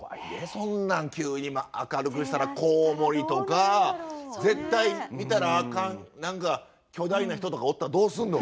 そんなん急に明るくしたらコウモリとか絶対見たらあかん何か巨大な人とかおったらどうすんの。